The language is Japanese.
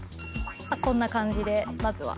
こんな感じでまずは。